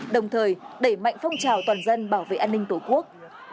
đồng thời đẩy mạnh phong trào toàn dân bảo vệ an ninh tổ quốc